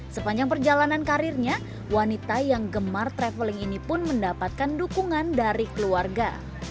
sepanjang perjalanan karirnya wanita yang gemar traveling ini pun mendapatkan dukungan dari keluarga